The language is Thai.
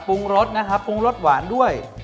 ปรุงรสนะครับปรุงรสหวานด้วย